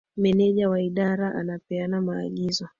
Meneja wa idara anapeana maagizo